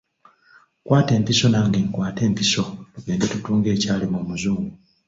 Kwata empiso nange nkwate empiso tugende tutunge ekyalema omuzungu.